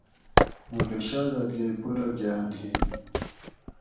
موٹو شازادگے پورہ گھان ہی